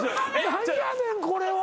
何やねんこれは。